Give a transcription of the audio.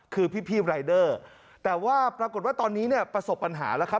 คือพี่รายเดอร์แต่ว่าปรากฏว่าตอนนี้เนี่ยประสบปัญหาแล้วครับ